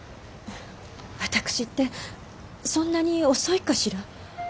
私ってそんなに遅いかしら？